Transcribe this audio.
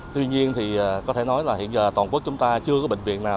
tuy nhiên thì có thể nói là hiện giờ toàn quốc chúng ta chưa có bệnh viện nào